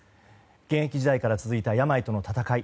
現役時代から続いた病との闘い。